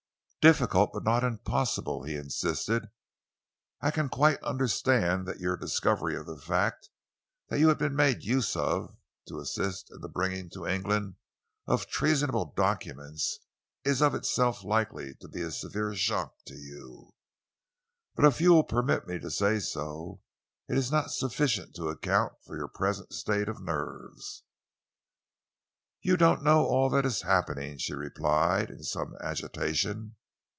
"Difficult but not impossible," he insisted. "I can quite understand that your discovery of the fact that you had been made use of to assist in the bringing to England of treasonable documents is of itself likely to be a severe shock to you, but, if you will permit me to say so, it is not sufficient to account for your present state of nerves." "You don't know all that is happening," she replied, in some agitation.